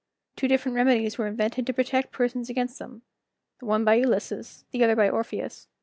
Two different remedies were invented to protect persons against them, the one by Ulysses, the other by Orpheus.